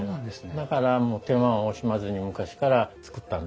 だから手間を惜しまずに昔から作ったんですね。